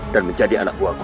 dan menjadi anak buahku